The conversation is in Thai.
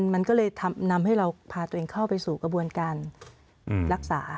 มันก็เลยทำให้เราพาตัวเองเข้าไปสู่กระบวนการรักษา